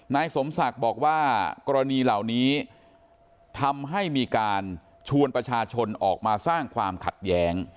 นายสมศักดิ์บอกว่ากรณีเหล่านี้ทำให้มีการชวนประชาชนออกมาสร้างความขัดแย้ง